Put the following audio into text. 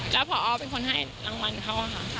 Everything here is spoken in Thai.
แล้วพอเป็นคนให้รางวัลเขาอะค่ะ